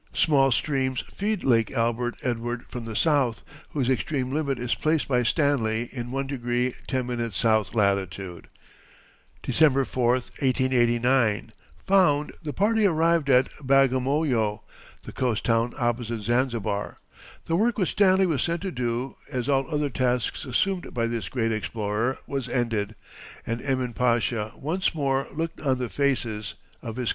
Small streams feed Lake Albert Edward from the south, whose extreme limit is placed by Stanley in 1° 10´ S. latitude. December 4, 1889, found the party arrived at Bagamoyo, the coast town opposite Zanzibar. The work which Stanley was sent to do, as all other tasks assumed by this great explorer, was ended, and Emin Pasha once more looked on the faces of his countrymen.